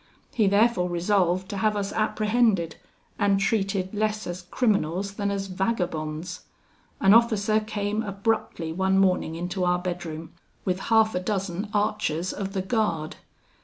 He therefore resolved to have us apprehended, and treated less as criminals than as vagabonds. An officer came abruptly one morning into our bedroom, with half a dozen archers of the guard.